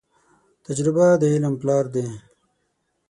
تجربه د علم پلار دي.